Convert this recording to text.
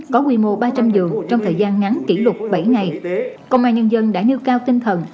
có quy mô ba trăm linh giường trong thời gian ngắn kỷ lục bảy ngày công an nhân dân đã nêu cao tinh thần